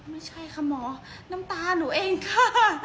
ไม่ใช่ค่ะหมอน้ำตาหนูเองค่ะ